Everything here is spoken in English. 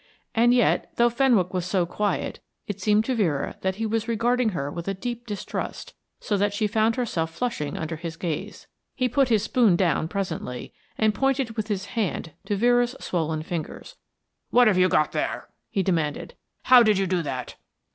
And yet, though Fenwick was so quiet, it seemed to Vera that he was regarding her with a deep distrust, so that she found herself flushing under his gaze. He put his spoon down presently, and pointed with his hand to Vera's swollen fingers. "What have you got there?" he demanded. "How did you do that?"